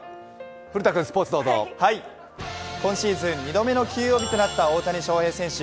今シーズン２度目の休養日となった大谷選手。